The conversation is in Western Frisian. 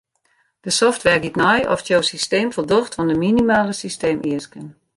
De software giet nei oft jo systeem foldocht oan de minimale systeemeasken.